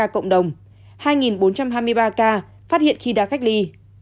cộng đồng hai bốn trăm hai mươi ba ca phát hiện khi đã cách ly